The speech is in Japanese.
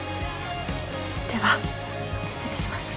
では失礼します。